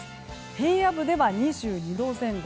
平野部では２２度前後。